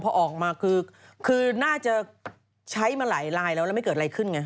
พอออกมาคือน่าจะใช้มาหลายลายแล้วแล้วไม่เกิดอะไรขึ้นไง